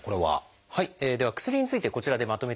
では薬についてこちらでまとめて見ていきます。